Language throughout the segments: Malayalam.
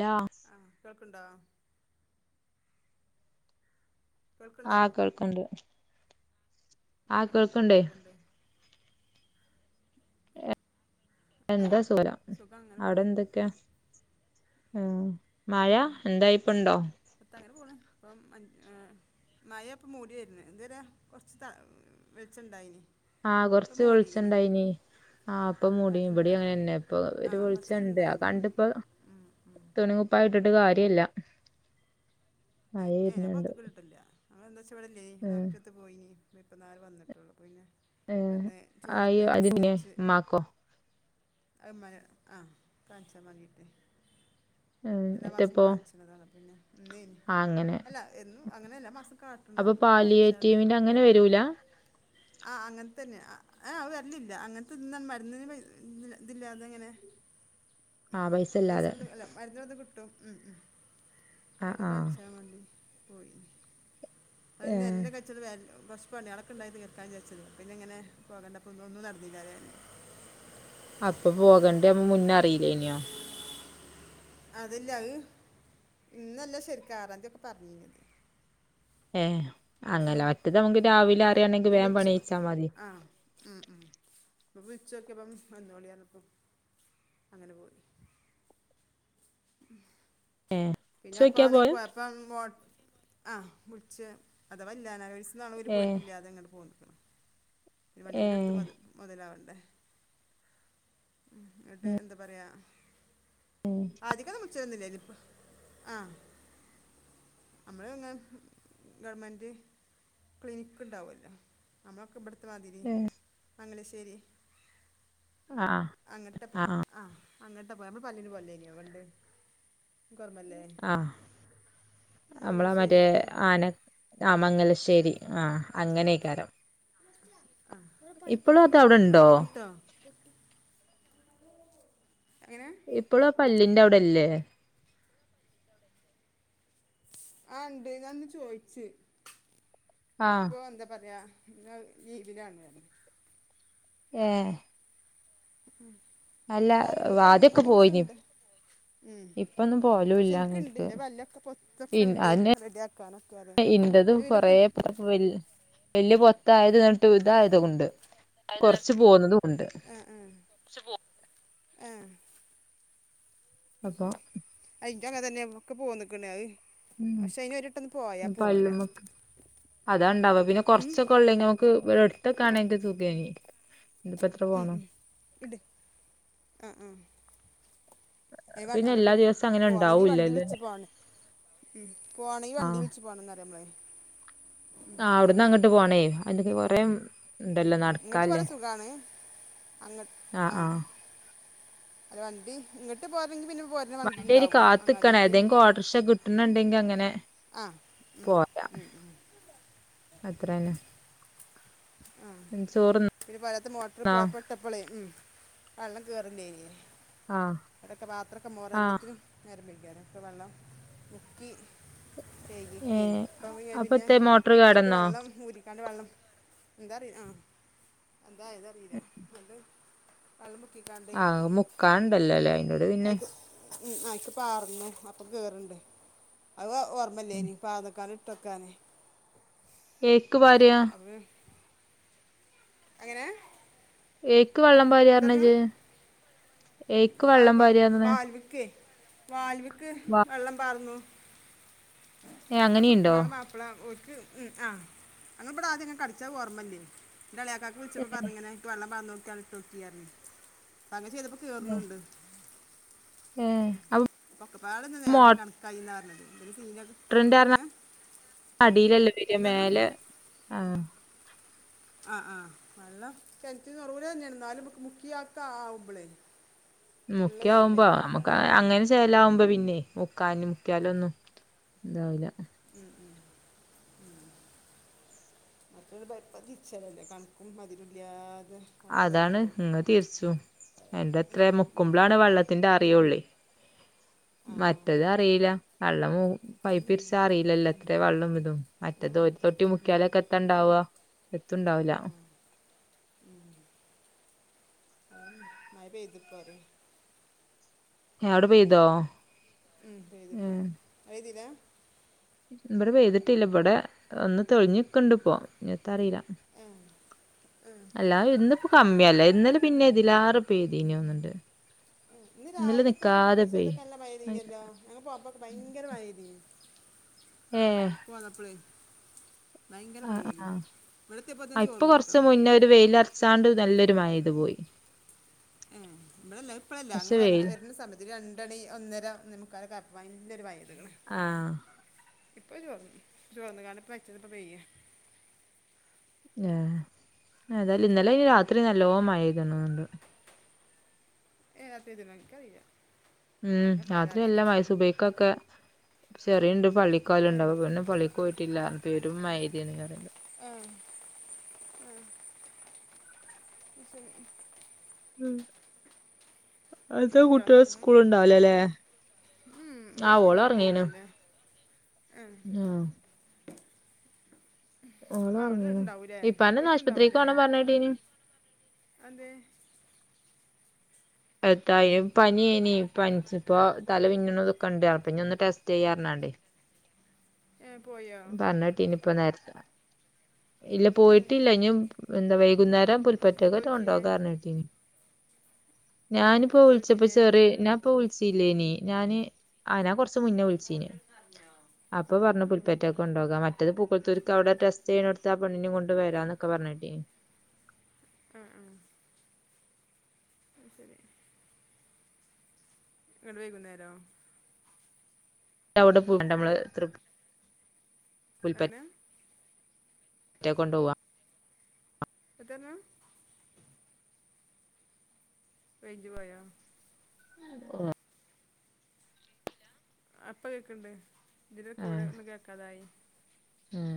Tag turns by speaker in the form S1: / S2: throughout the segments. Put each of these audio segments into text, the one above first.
S1: ലാ
S2: ആ കേൾക്ക്ണ്ടോ? കേൾക്ക്ണ്ടോ
S1: ആഹ കേൾക്ക്ണ്ട്.
S2: ആ എന്തൊക്കെണ്ട്?
S1: എന്താ
S2: ആഹ്
S1: സൊരം
S2: സുഖം അങ്ങനെ
S1: അവിടെ
S2: പോണ്
S1: ന്തൊക്കെ? ഏ മഴ എന്തായി ഇപ്പണ്ടോ?
S2: എത്താ അങ്ങനെ പോണ് അപ്പം മഴേപ്പം മൂടിവര്ന് ഇതരേ കൊർച്ച് ത വെൾചണ്ടായിനി.
S1: ആഹ് കൊറച്ച് വെൾച്ചണ്ടായിനി ആഹ് പ്പൊ മുടീം ബടീം അങ്ങനെന്നെ. പ്പൊ ഒരു
S2: ആഹ് കൊർച്ചേരം
S1: വെളിച്ചെണ്ട് അത്
S2: ഇണ്ടായിനി
S1: കണ്ടിപ്പ
S2: ഉം ഉം
S1: തുണിം കുപ്പായിട്ടിട്ട് കാര്യല്ല. മഴ
S2: എഏ ന
S1: വരുന്നുണ്ട്
S2: പൊറ്ത്ത്ക്ക്ട്ട്ട്ടില്ല. അതെന്തവച്ചാ ഇവിടല്ലേനി.
S1: ഉം
S2: ഡോക്ടറട്ത് ട്ട് പോയിനി. പ്പന്നാരെ വന്നിട്ടുള്ളൂ അപ്പപ്പിന്നെ
S1: ഉം
S2: വന്ന്
S1: ആയി
S2: ചോർന്ന്
S1: അതിനെ
S2: നിസ്കരിച്ച്.
S1: ഉമ്മാക്കോ
S2: അ മഴ് ആഹ് കാൺച്ചാ മതിട്ടേ
S1: ഉം
S2: എല്ലാ മാസം
S1: എത്തപ്പോ
S2: കാണിച്ച്ണതാണ്. അപ്പ പിന്നെ ഇന്ന്
S1: ആഹ് അങ്ങനെ
S2: അല്ല എന്നും അങ്ങനെ എല്ലാ മാസം കാ
S1: അപ്പൊ പാലിയേറ്റീവിന്റെ അങ്ങനെ വരൂലാ?
S2: ആ അങ്ങനെത്തന്നെയ ആ. ആഹ് അത് വര്ലില്ല. അങ്ങൻത്ത ഇന്ന മരുന്നന് [unintelligible] ഇതില്ലാതങ്ങനെ
S1: ആഹ്
S2: പൈസ
S1: ഇല്ലാതെ
S2: ഇവട്ന്ന് അല്ല മരുന്ന് ഇവട്ന്ന് ക്‌ട്ടും. ഉം. ഉം.
S1: ആഹ്
S2: അപ്പടെ
S1: ആഹ്
S2: കാണിച്ച [unintelligible] പോയി. അ
S1: ഏഹ്
S2: [unintelligible] ച്ചൊരു വേല് കൊറഷ്പണികളൊക്കെ ഇണ്ടായത് തീർക്കാൻ വിചാരിച്ചിരുന്നെയാ പിന്നിങ്ങനെ പോകണ്ട അപ്പോന്നു ഒന്നും നടന്നിലാല്ലേ
S1: അപ്പൊ പോകണ്ടേ മുന്നേ അറിയില്ല്യേനോ
S2: അത്‌ല്യ അഹ്ഇന്നല്ല ശെരിക്ക് ആറാന്തിയൊക്കെ പറഞ്ഞീനത്
S1: ഏ
S2: അപ്പൊ
S1: അങ്ങനെ മറ്റത് നമുക്ക്
S2: ഉം
S1: രാവിലെ അറിയാണെങ്കി വേം
S2: പിമെബെച്ചൊ
S1: പണിയിച്ചാ മതി
S2: ആഹ് ഉം ഉം വിൾച്ചോക്കിയപ്പം വന്നോളിയർഞ്ഞപ്പം അങ്ങനെ പോയ് [inaudible] പിന്നെ അപ്പ
S1: ഉച്ചോക്കിയാ
S2: ആണെ
S1: പോയെ
S2: പോയപ്പം മോ ആഹ് വിൾച്ച് അഥവാ ഇല്ല്യാന്നാ ഗായ്സ് ഇന്നാള് ഓല്
S1: ഏ
S2: പോയിട്ടില്ല്യാ അതെങ്ങോട്ട് പോന്ന്ക്ക്‌ന് ഒല്
S1: ഏ
S2: വണ്ടിക്കൂലി എടുത്ത് മൊത് മൊതലാവെണ്ടേ ഇട്ട്ഹ് എന്താ പറയാ അദിക്കെന്നു വിൽചേല്ല്യാര്ന്നില്ല ഇത്പ്പ ആഹ് നമ്മള് ഇങ്ങനെ ഗവൺമെന്റ് ക്ലിനിക്ക്ണ്ടാവൊല്ലോ നമ്മളൊക്കെ ഇബട്ത്തെമാതിരി മംഗലശ്ശേരി
S1: ആ
S2: അങ്ങൻട്ടൊപ്പോ
S1: ആ
S2: ആഹ് അങ്ങൻട്ടൊപ്പോ ആ നമ്മള് പല്ലിന് പല്യേനോ പണ്ട് ഓർമ്മല്ലേ
S1: ആഹ് അമ്മെളെ മറ്റേ
S2: മംഗലശ്ശേരിക്ക്
S1: ആനെ ആഹ മംഗലശ്ശേരി ആ അങ്ങനേക്കാരം
S2: ആ
S1: ഇപ്പളും അത്
S2: ഉം
S1: അവിടെണ്ടോ
S2: ബ്ട്ടോ [inaudible] എങ്ങനേ
S1: ഇപ്പളും ആ പല്ലിന്റെ ഔടല്‌യേ?
S2: ആ ഇണ്ട് ഞാന്ന് ചോയിച്ച്
S1: ആ
S2: അപ്പൊ എന്താ പറ്യാ! എന്നാഹ് ഇതിനാണർഞ്ഞ്
S1: ഏഹ്
S2: ഉം ന്താലും ഇണ്ട് ഇപ്പൊ എല്ലാ
S1: ആദ്യൊക്കെ പോയിനി
S2: ദിവസുണ്ട് ഉം
S1: ഇപ്പൊന്നും
S2: ക്ഷെ
S1: പോലുല്ല
S2: ഇൻക്ക്ണ്ട്
S1: അങ്ങട്ട്ക്ക്
S2: ഇന്റെ പല്ലൊക്കെ
S1: ഇൻ
S2: പൊത്തൊക്കെണ്ട്
S1: അതെന്നെ
S2: റെഡിആ ക്കനൊക്കെ ആരെ [unintelligible]
S1: അപ്പൊ വെൽ വെല്ല്യ പൊത്തായത്കണ്ട് ഇതായത് കൊണ്ട്
S2: ആയത് ഹ് ഹ് കൊർച്ച് പോകും ഹ്
S1: അപ്പൊ
S2: അഹ്ശെരി അഇന്റൊക്കെ അങ്ങനെന്നെ അയ്മത്ക്കെ പോന്ന്ക്ണ് അഹ്
S1: ഉം പല്ല്മെക്ക് അതാ ഇണ്ടാവാ പിന്നെ
S2: ഉം
S1: കൊർച്ചൊക്കേ ഒള്ളേങ്കി ക്ക് ഇവരട്ത്തൊക്കെയാണെങ്കി സുഖേയ്നി
S2: ഉംഉം ഇട് ആഹ് ആഹ് ഐവാൻ
S1: പിന്നെ
S2: അങ്ങട്ട്
S1: എല്ലാ ദിവസവും അങ്ങനെ
S2: പോണെങ്കീ വണ്ടി
S1: ഉണ്ടാവൂല്ലല്ലോ
S2: വിൾച്ച് പോണെ മ് പോണെങ്കി വണ്ടി
S1: ആഹ്
S2: വിൾച്ച് പോണന്ന് പറയമ്മള്
S1: ആ അവ്ട്ന്ന അങ്ങട്ട് പോണേ അതിൻ്റെതി കൊറേ ഇണ്ടല്ലോ
S2: ഇങ്ങോട്ട്
S1: നടക്കാല്ലേ
S2: പോരാൻ സുഖമാണ് അങ്ങോട്ട്
S1: ആഹ്ആഹ്
S2: ഹലോ വണ്ടി ഇങ്ങട്ട് പോരണേങ്കി പിന്നെ പോര്
S1: വണ്ടി അയ്ന് കാത്ത്ക്കാണ് ഏതെങ്കി ഓട്ടർഷ കിട്ട്ണണ്ടെങ്കി അങ്ങനെ
S2: ആഹ് ഉം ഉം ഉം
S1: അത്രയന്നേ
S2: ആ പിന്നെ പൊരേത്തെ മോട്രർ
S1: തിന്നോ
S2: പോയപ്പോ അപ്പളേ ഉം വള്ളം കേറ്ല്ലേയ്നി
S1: ആഹ്
S2: അവിടൊക്കെ പാത്രൊക്കെ മോറാ
S1: ആഹ്
S2: എല്ലത്തിനും നേരം വ‌യ്‌കിയാരെ ഇപ്പം വള്ളം മുക്കി കെയ്കിക്കേനി
S1: ഏഹ്
S2: ഇപ്പംപിയേപിന്നെ
S1: അപ്പത്തെ മോട്ടർ
S2: ഐക്ക്
S1: കേടന്നോ
S2: വള്ളം ഊരിക്കാണ്ട് വള്ളം എന്താറിയ് ആ എന്താ ആയതറിയിലാ അത് കള്ള്മുക്കിക്കാണ്ട്
S1: ആഹ് മുക്കാനുണ്ടല്ലോല്ലേ അയിനോട് പിന്നെ
S2: അയ്ക്ക് ഉം അയിക്ക്പ്പാർന്ന് അപ്പൊ കേറ്ണ്ട് അത് ഓർമ്മല്ലേനി പാതെക്കാന് ഇട്ടൊക്കാന്
S1: ഏക്ക് പാര്യാ
S2: അങ്ങനേ
S1: എയ്ക്ക് വള്ളം പാര്യണ്ജ്ജ് എയ്ക്ക് വള്ളം പാര്യാന്ന്
S2: ഇവെക്കേ വാൽവിൾക്ക് വെള്ളം പാർന്നു
S1: ഏഹ്
S2: ആ
S1: അങ്ങനെയുണ്ടോ
S2: കുട്ടിമ്മാൾ മാപ് അല്ല. ഓക്ക് ഉം ആഹ് അങ്ങനെവെടെ ആദ്യമെങ്ങനെ കടിച്ചാ ഓർമില്ലേ? എന്റെ എളേയാക്കാക്ക് വിളിച്ചപ്പോ പറഞ്ഞിങ്ങനെ, എനക്ക് വെള്ളം വാർന്നൊഴിക്കാൻ ഒര് തൊട്ടിയായിർന്നു. ഇപ്പ അങ്ങനെ ചെയ്തപ്പോൾ
S1: ഏഹ്
S2: കേറുന്നുണ്ട്.
S1: ഏഹ്
S2: ഉം
S1: അപ്പൊ
S2: പക്കപ്പാടുന്ന നേരം കണക്കായിന്ന വെരുന്നത്. എന്തൊര് സീനത്.
S1: ട്രെൻഡായിരുന്നാ അടിലല്ലേ വരുക,
S2: എന്താ പറഞ്ഞു
S1: മേലേ ആഹ്.
S2: ആഹ് ആഹ നല്ല കെൺറ്റീന്ന് ഉറവെടെന്നെയാണ്. എന്നാലും നമ്മുക്ക് മുക്കിയേക്കായാവുമ്പളേ,
S1: മുക്ക്യയാമ്പോ നമ്മെക്ക്
S2: പറയാൻ
S1: അങ്ങനെ ചെ ലാവുമ്പോ പിന്നെ മുക്കാനും മുക്കിയാലൊന്നും എന്താവില്ല.
S2: ഉം ഉം ഉം. അപ്പ [unintelligible] [unintelligible] കണക്കും മദുരുല്ലാതെ.
S1: അതാണ്. ഇങ്ങ് തിർച്ചു. എന്റെ
S2: ഉം,
S1: അത്ര
S2: ഉം.
S1: മുക്കുമ്പോളാണ് വെള്ളത്തിന്റെ അറിയൊള്ളെ.
S2: ആ ആ
S1: മറ്റത് അറീല അള്ള പോവും
S2: ഉം,
S1: പൈപ്പിരിച്ച അറിയില്ലല്ലോ
S2: ഉം.
S1: എത്രയും വെള്ളം ഇതും. മറ്റേത് ഒരു തൊട്ടി മുക്കിയാലക്കെയെത്തൊണ്ടാവാ. എത്തുണ്ടാവുല
S2: ഉം അതന്നെ മഴ പെയ്തിപ്പോറ്യ
S1: ഏഹ് അവ്ടെ പെയ്തോ
S2: ഉം പെയ്തിപ്പോ [unintelligible]
S1: ഇവെടെ പെയ്യ്തിട്ടില്ല ഇവെടെ ഒന്ന് തെളിഞ്ഞിക്ക്ണ്ട്പ്പോ ഇഞത്താറീല
S2: ആ ആ
S1: അല്ല ഇന്നിപ്പോ
S2: ഓക്കേ.
S1: കമ്മിയല്ലേ. ഇന്നലും, പിന്നെ ഇതില് ആറ് പെയ്തീനാവുന്നൊണ്ട്.
S2: ഇന്ന് രാവിലെക്കെ
S1: പെയ്യ്
S2: ബസ്സേലെക്കെ നല്ലെമഴേ പെയ്തീന്നല്ലോ. ഞങ്ങളെ [unintelligible] ക്കെ ഭയങ്കര മഴ പെയ്തേനി,
S1: ഏ
S2: പോന്നപ്പഴേ.
S1: ആഹ് ആഹ.
S2: ഇവിടെ എത്തിയപ്പോൾ തന്നെ
S1: ആഹ് ഇപ്പൊ
S2: ചോർന്നു കേട്ടോ
S1: കൊറച്ച് മുന്നേ ഒരു വെയിലരച്ചാണ്ട് നല്ലൊരു മഴപെയ്ത്‌പോയി.
S2: ഉം [unintelligible] ഇപ്പളല്ല. അങ്ങ്
S1: പക്ഷെ
S2: വന്നൻ
S1: വെയിൽ
S2: വരുന്ന സമയത്ത്. ഇത് രണ്ടണി ഒന്നര ഒന്നേമുക്കാലക്കായാപ്പോ നല്ലൊരു വയറ്കള്
S1: ആഹ്
S2: ഇപ്പൊ ചോർന്ന് ചോർന്ന്കാണ്ട് പ്പഅയ്ച്ചത് പ്പ പെയ്യ
S1: ഏഹ് ഏതാലും ഇന്നലെ രാത്രി നല്ലോ മഴയ്ത്ണോണ്ട്
S2: ഏഹ് രാത്രിയ്ത്ണോ ഇൻകറീല
S1: ഉം രാത്രി നല്ലമയ് സൂബൈക്കൊക്കെ ചെറിണ്ട്
S2: ഏ
S1: പള്ളിക്കോവല്ണ്ടാവു പിന്നെ പള്ളി പോയിട്ടില്ലാ പെരും മഴയ്തിനി ഇന്നലെല്ലോ
S2: ആഹ് ആഹ് ന്ന ശെരി
S1: ഉം. അട്ത്ത
S2: ഇന്നത്തെ കുട്ടികളെ
S1: കുട്ട്യേ
S2: പറഞ്ഞു
S1: സ്കൂൾ ണ്ടാവുലലേ
S2: ഉം ഇവെടെ ശനി ലീവല്ലേ. ഉം
S1: ആ ഓളൊറങ്ങീണ്
S2: അവ്ടെണ്ടാവുലേ
S1: ഇപ്പാനൊന്ന് ആശുപത്രിക്ക്
S2: ഓൽക്ണ്ടാവുലേ
S1: പോണം പറഞ്ഞേട്ടീനി
S2: അഅന്തേ
S1: എത്തായ്ന് പനിയേനി പൻച്ചപ്പോ തലമിന്ന്ണതൊക്കെണ്ട് അപ്പഞ്ഞിയൊന്ന് ടെസ്റ്റ് ചെയ്യാർഞ്ഞാണ്ടെ
S2: ഏഹ് പൊയോ
S1: പറഞ്ഞെട്ടിനി പ്പ നേര്ത്തെ ഇല്ല
S2: ഏ
S1: പോയിട്ടില്ല. ഇനി എന്താ വൈകുന്നേരം
S2: എപ്പോൾ
S1: പുൽപ്പെറ്റാക്കൊറ്റ
S2: വിളിച്ചിനെ
S1: കൊണ്ടോക്കാർഞ്ഞിട്ടിന്
S2: ഏ
S1: ഞാനിപ്പോ
S2: എപ്പോൾ
S1: വിളിച്ചപ്പോ
S2: വിളിച്ചിനെ
S1: ചെറ് ഞാൻ ഇപ്പൊ വിളിച്ചില്ലേനി ഞാന ആന കൊറ
S2: അഹ്‌ ഇങ്ങോട്ടേക്കർഞ്ഞോ ഉം ഉ
S1: കൊണ്ടോക മറ്റെത് പൂക്കൊൾത്തൂര്ക്ക് അവ്ടെ ടെസ്റ്റയ്ണോട്ത്ത് ആ പെണ്ണിനിം കൊണ്ട് വരാന്നൊക്കെ പറഞ്ഞേട്ടിനി
S2: അഹ് ആഹ് അഹ് സെരി ങ്ങട്ട് വൈകുന്നേരോ
S1: അവ്ടെ പോവണ്ടമ്മള് തൃ
S2: അങ്ങനെ
S1: റ്റെ കൊണ്ടൊവാ
S2: എത്തർഞ്ഞെ റൈഞ്ച് പൊയോ
S1: ഓ
S2: അഹ് ഇപ്പ കേക്ക്ണ്ട് ഇതിലട്ക്ക് വടെ ഒന്നും കേക്കാതായി.
S1: ഉം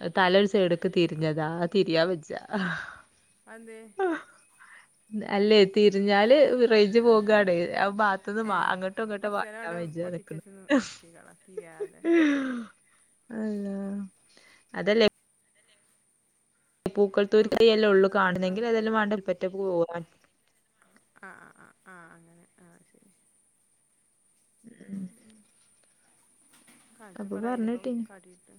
S1: അത് തല ഒരു സൈഡ്ക്ക് തിര്ഞ്ഞതാ അത് തിരിയാ വെജ്ജാ
S2: അഹ് ന്തെ
S1: അല്ലേ തിര്ഞ്ഞാല് റെയ്ഞ്ച് പോകാണെ ആ ഭാത്ത്ന്ന്
S2: ഏ
S1: അങ്ങട്ടോ ഇങ്ങട്ടോ അൻങ്ങാൻ വജ്ജാതെക്ക്ണ്
S2: തികള തിര്യാതെ
S1: അല്ലാ അതെല്ലേ
S2: അപ്പോൾ
S1: പൂക്കൾത്തൂര്ത്തെ [unintelligible] ഉള്ളു
S2: ആ
S1: കാണുന്നെങ്കിൽ ഏതാലും വേണ്ടാ ൽപ്പറ്റ പോവാ
S2: ആഹ് ആഹ് ആഹ് ആഹ് അങ്ങനെ ആഹ് ശരി
S1: ഉം.
S2: [unintelligible]
S1: അപ്പൊ
S2: ഇപ്പം
S1: പറഞ്ഞേട്ടീനി
S2: കാട്ടീട്ട്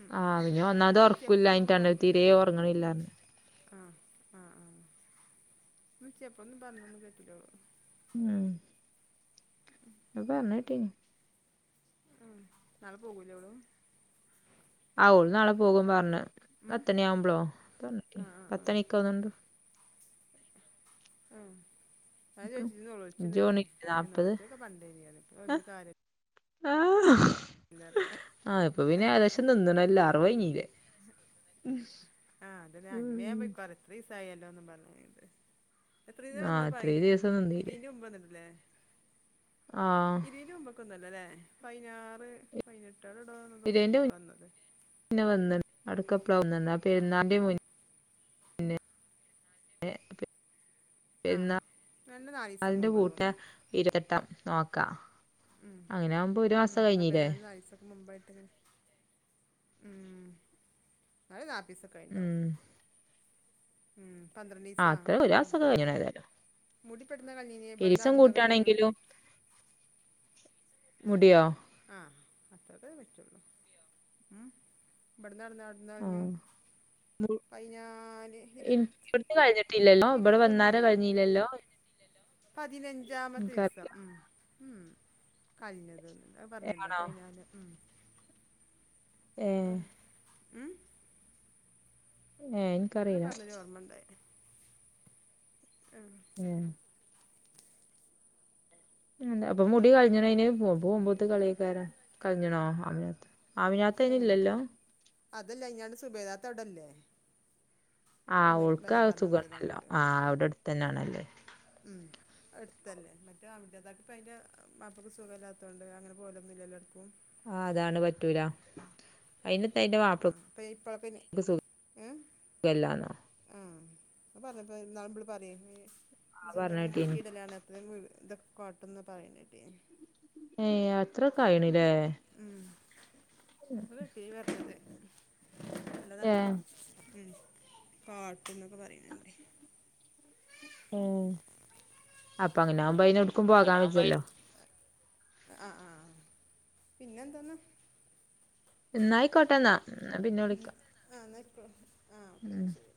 S2: ഉം
S1: ആ
S2: ഉം
S1: പിന്നെ ഒന്നാമത്
S2: ഞാൻ വിൾച്ചെ പ്പ ണ്ടൊന്നും
S1: ഉറക്കില്ലാഞ്ഞിട്ടാണ്
S2: പർഞ്ഞില്ല.
S1: തീരെ ഉറങ്ങണില്ലാന്ന്
S2: ആഹ് ആഹ് ആഹ് വുൾച്ചപ്പം ഒന്നും പർഞ്ഞന്ന് കേട്ടീല ഓള്
S1: ഉം അത് പർഞ്ഞേട്ടീനി
S2: ഉം നാളെ പോകൂലെ ഓള്
S1: ആഹ് ഓള് നാളെ പോകും പർഞ്ഞ്
S2: ഉം
S1: പത്തണി ആവ്മ്പളോ
S2: ആ ആ ആ
S1: പത്തണിക്കോന്ന്ണ്ട്.
S2: ആഹ് അഹ് ചോച്ചിന്ന്
S1: ഇജ്ജ്
S2: ന്നൊളൊള്ളിച്ണ്ടോയ്ച്
S1: പോണില്ലേ
S2: ണ്ട ചോച്ചേ
S1: നാപ്പത്
S2: നൊളോള്ച്ചൊക്കെ പണ്ടേഞ്ഞ് ഞാന് ഇപ്പ
S1: ആ
S2: ചോയിച്ചിട്ട് കാര്യ
S1: ആഹ് ഇപ്പൊ പിന്നെ ഏകദേശം നിന്ന്ണല്ലോ അർവയ്ഞ്ഞില്ലെ
S2: ആഹ് അതന്നെ അങ്ങനെയാവ്മ്പൊ ഇപ്പ ർഞ്ഞ്‌ ഇത്രീസായല്ലോന്നും പർഞ്ഞിട്ട്
S1: ആഹ് ഇത്രയും
S2: [unintelligible]
S1: ദിവസം നിന്നീല്ലേ
S2: ഇതീന്റെ മുമ്പ് വന്ന്ട്ടില്ലേ
S1: ആഹ്
S2: ഇര്വീൻ്റെ മുമ്പൊക്ക വന്നല്ലോ ല്ലേ പയ്നാറ് പയ്നെ ട്ടോടോടോ തോന്ന്ണ്ട്‌ വന്നത്.
S1: പിന്നെ വന്നിണ് അടുക്കപ്ളൊ വന്ന്ണ് ആ പെരുന്നാന്റെ
S2: ആ
S1: മുന്
S2: ആഹ് രണ്ട് നാല് ദിവസം
S1: പെര്ന്നാൾന്റെ
S2: മുമ്പാ
S1: കൂട്ട
S2: തോന്നുന്നുണ്ട്
S1: ഇരുപത്തെട്ടാം നോക്കാം അങ്ങനെ ആവുമ്പോ ഒരു മാസം കയിഞ്ഞില്ലേ
S2: നാലീസൊക്കെ മുമ്പായിട്ട് ങ്ങനെ ഉം എന്നാലും നാപ്പീസൊക്കെ ആയിണ്ടാവും
S1: ഉം
S2: ഉം
S1: ആഹ്
S2: പന്ത്രണ്ടീസാ
S1: അത്ര ഒരു മാസൊക്കെ
S2: മുടി പ്പ എട്ന്നാ കൾഞ്ഞീ
S1: എരിസം കൂട്ടയാണെങ്കിലും മുടിയോ
S2: ആഹ് അത്രതേ പറ്റുള്ളൂ ഉം ബട്ന്ന് ഒട്ന്നോ എന്നാൾഞ്ഞു
S1: ആഹ്
S2: പയ്നാല് ഇരത്ത്
S1: ബട്ത്തെ കൾഞ്ഞിട്ടില്ലല്ലോ ഇബടെ വന്നാരെ കൾഞ്ഞില്ലല്ലോ
S2: പതിനഞ്ചാമെത്തീസം ഉം കൾഞ്ഞതോന്ന് ആഹ്, പറഞ്ഞില്ല?
S1: ആണോ
S2: പൈന്നാല്. ഉം,
S1: ഏഹ്
S2: ഉം
S1: ഏഹ്
S2: അവിടന്ന്
S1: ഇൻക്കറിയില്ല
S2: പറഞ്ഞൊരു ഓർമ്മണ്ട് ആഹ്
S1: ഏഹ് പിന്നെന്താ. അപ്പം മുടി കളഞ്ഞ്ണോ അയ്ന് പോ പോകുമ്പോത്ത് കളിയേക്കാരം കൾഞ്ണോ ആമിനാത്ത ആമിനാത്ത
S2: ഉം
S1: അയ്നില്ലല്ലോ
S2: അതല്ല അയ്നാണ് സുബൈദാത്ത അവിടല്ലേ
S1: ആഹ്
S2: അവിടുന്ന്
S1: ഓൾക്ക് ആ
S2: വരാൻ പറഞ്ഞാൽ മതിയല്ലോ
S1: സുഖണ്ടല്ലോ
S2: അങ്ങോട്ട്
S1: ആഹ് അവ്ടെ എട്ത്ത് തന്നാണല്ലേ
S2: മ്മ് അഹ്ട്‌ത്തല്ലേ മറ്റേ [unintelligible] പ്പ അയ്ന്റെ വാപ്പക്ക് സുഖല്ലാത്തൊണ്ട് അങ്ങനെ പോലൊന്നും ഇല്ലല്ലോ എട്‌ക്കും
S1: ആഹ് അതാണ് പറ്റൂല അയിനിത്ത അയ്‌ന്റെ വാ
S2: ആഹ് അപ്പ ഇപ്പള പിന്നെ ഏഹ്
S1: സുഖല്ലാന്നോ
S2: ആഹ് അത് പറഞ്ഞപ്പ ഇന്നാള് മ്മള് പറയ
S1: ആ
S2: സുലൈഖാനെ
S1: പറഞ്ഞേട്ടീനി
S2: കെട്ടിയിടല്ലാണ് [unintelligible] തൊക്കെ കാട്ടും ന്നാ പറിണേട്ടീനി
S1: ഏ. അത്ര കായ്ണ്ല്ലേ.
S2: ഉം ഇവടൊ ടീവി വർക്ക്‌ യിട്ട്. അത് നല്ല കാ
S1: ഏഹ്
S2: ഉം കാട്ടുന്നൊക്കെ പറയിണ് ണ്ടെ.
S1: ഉം അപ്പ അങ്ങനവുമ്പം അയിനൊ
S2: അങ്ങനാകുമ്പയി അ അ ആ.. പിന്നെന്താന്ന്
S1: ഇന്നായി ക്കോ ട്ടെന്നാ
S2: [unintelligible] ആ ഓക്കെ എന്നാ
S1: ഉം
S2: ശരി.